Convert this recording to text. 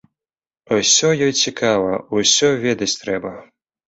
Усё ёй цікава, усё ведаць трэба.